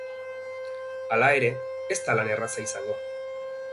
Hala ere, ez da lan erraza izango.